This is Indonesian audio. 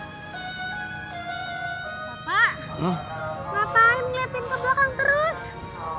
bapak ngapain ngeliatin ke belakang terus